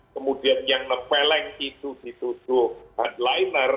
kemudian yang noveleng itu dituduh headliner